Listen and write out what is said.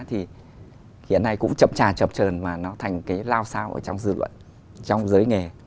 hiện nay cũng chậm trà chậm trờn mà nó thành cái lao sao trong dư luận trong giới nghề